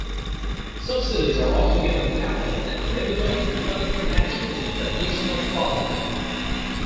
Subsidies are also given to companies and individuals with little connection to traditional farming.